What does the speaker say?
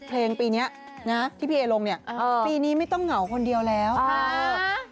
เพลงปีเนี้ยนะที่พี่เอลงเนี่ยปีนี้ไม่ต้องเหงาคนเดียวแล้วค่ะ